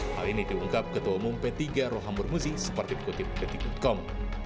hal ini diungkap ketua umum p tiga rohamur muzi seperti dikutip detik com